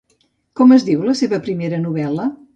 Com es diu la seva primera novel·la?